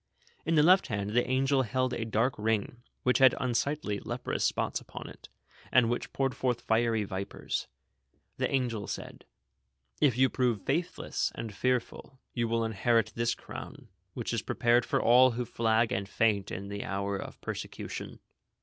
In the left hand the angel held a dark ring, which had unsightly, leprous spots upon it, and which poured forth fiery vipers. The angel said : "If you pi'ove faithless and fearful, you will inherit this crown, which is prepared for all who flag and faint in the hour of persecution."